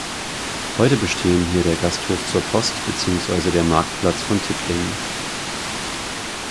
Heute bestehen hier der Gasthof zur Post beziehungsweise der Marktplatz von Tittling.